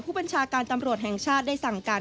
ผู้บัญชาการตำรวจแห่งชาติได้สั่งการ